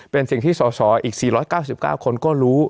เป็นสิ่งที่สสอีก๔๙๙คนก็รู้